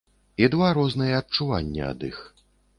І два розныя адчуванні ад іх.